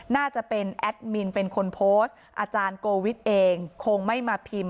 น่าจะเป็นแอดมินเป็นคนโพสต์อาจารย์โกวิทย์เองคงไม่มาพิมพ์